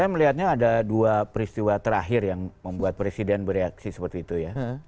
saya melihatnya ada dua peristiwa terakhir yang membuat presiden bereaksi seperti itu ya